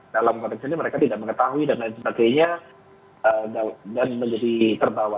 dalam konteks ini mereka tidak mengetahui dan lain sebagainya dan menjadi terbawa